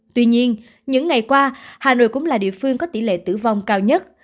tuy nhiên những ngày qua hà nội cũng là địa phương có tỷ lệ tử vong cao nhất